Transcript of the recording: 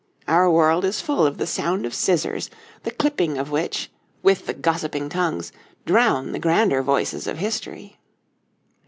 Our world is full of the sound of scissors, the clipping of which, with the gossiping tongues, drown the grander voices of history.